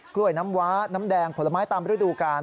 กล้วยน้ำว้าน้ำแดงผลไม้ตามฤดูกาล